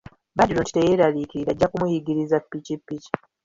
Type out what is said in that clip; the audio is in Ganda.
Badru nti teyeralikirira ajja kumuyigiriza pikipiki.